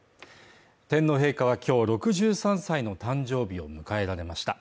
天皇陛下は今日６３歳の誕生日を迎えられました。